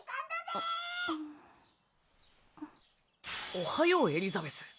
おはようエリザベス。